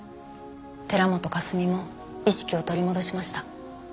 寺本香澄も意識を取り戻しました。